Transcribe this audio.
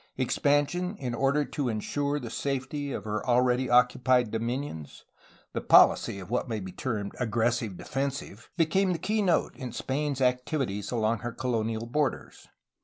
Expansion in order to ensure the safety of her already occupied dominions, the poUcy of what may be termed the "aggressive defensive,'^ became the key note in Spain's activities along her colonial borders.